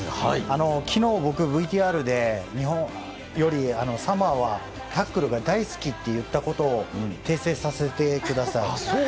昨日、僕ＶＴＲで日本よりサモアはタックルが大好きって言ったことを訂正させてください。